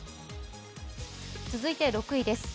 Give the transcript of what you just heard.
続いて６位です。